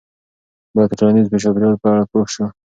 باید د ټولنیز چاپیریال په اړه پوه سو.